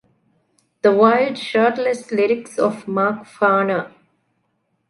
The wild, shirtless lyrics of Mark Farner.